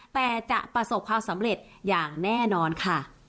แต่จะประสบความสำเร็จอย่างแน่นอนค่ะ